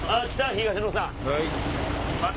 東野さん。